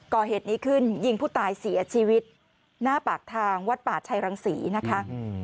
ก่อเหตุนี้ขึ้นยิงผู้ตายเสียชีวิตหน้าปากทางวัดป่าชัยรังศรีนะคะ